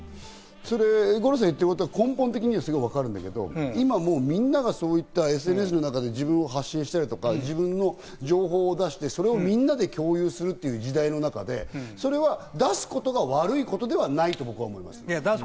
五郎さんが言ってることは根本的にわかるんだけど、今、もうみんながそう言ったＳＮＳの中で自分を発信したり、自分の情報を出して、それをみんなで共有するという時代の中で、それは出すことが悪いことではないと僕は思います。